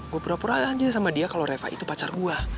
gue pura pura aja sama dia kalau reva itu pacar gue